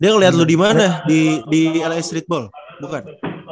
dia ngeliat lu dimana di la streetball bukan